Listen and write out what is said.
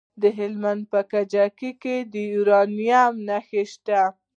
د هلمند په کجکي کې د یورانیم نښې شته.